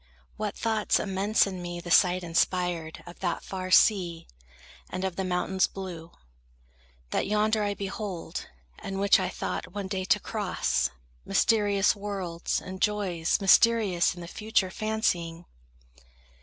What thoughts immense in me the sight inspired Of that far sea, and of the mountains blue, That yonder I behold, and which I thought One day to cross, mysterious worlds and joys Mysterious in the future fancying!